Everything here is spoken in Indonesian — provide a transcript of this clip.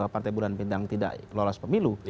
partai bulan bintang tidak lolos pemilu